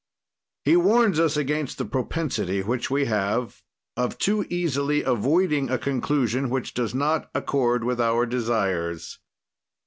He warns us against the propensity which we have of too easily avoiding a conclusion which does not accord with our desires.